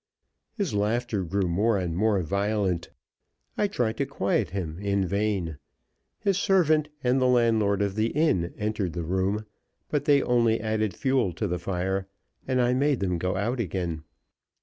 His laughter grew more and mere violent. I tried to quiet him in vain. His servant and the landlord of the inn entered the room, but they only added fuel to the fire, and I made them go out again.